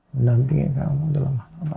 menampingi kamu dalam hal apa apa